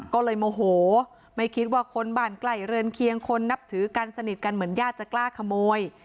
ก็เลยโมโหไม่คิดว่าคนบ้านใกล้เรือนเคียงคนนับถือกันสนิทกันเหมือนญาติจะกล้าขโมย